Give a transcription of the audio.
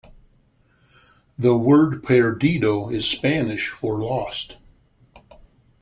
The word "perdido" is Spanish for "lost".